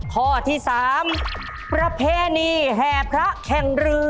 ข้อที่๓ประเพณีแห่พระแข่งเรือ